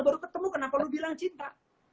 baru ketemu kenapa lu bilang cinta